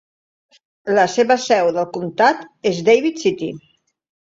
La seva seu del comtat és David City.